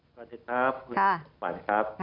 สวัสดีครับคุณขวัญครับ